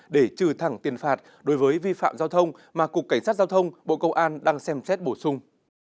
để trừ thẳng tiền phạt đối với vi phạm giao thông mà cục cảnh sát giao thông bộ công an đang xem xét bổ sung